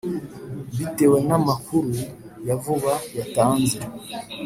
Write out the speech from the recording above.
Bitewe na amakuru ya vuba yatanze